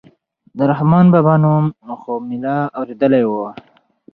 د رحمان بابا نوم خو مې لا اورېدلى و.